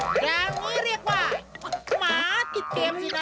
กลางนี้เรียกว่าหมาติดเกมสินะ